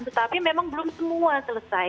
tetapi memang belum semua selesai